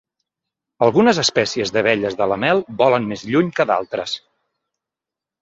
Algunes espècies d'abelles de la mel volen més lluny que d'altres.